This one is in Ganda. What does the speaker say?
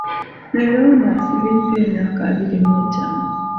Leero ono asibiddwa emyaka abiri mu etaano.